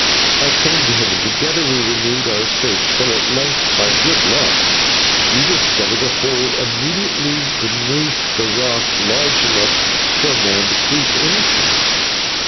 I came to him, and together we renewed our search, till at length, by good luck, we discovered a hole immediately beneath a rock, large enough for a man to creep into.